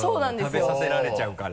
食べさせられちゃうから。